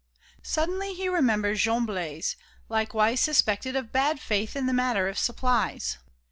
Suddenly he remembered Jean Blaise, likewise suspected of bad faith in the matter of supplies.